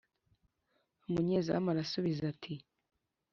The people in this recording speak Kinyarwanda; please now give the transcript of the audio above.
Umunyezamu arasubiza ati